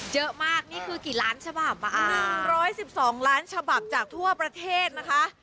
เยอะมากนี่คือกี่ล้านฉบับ๑๑๒ล้านฉบับจากทั่วประเทศนะคะ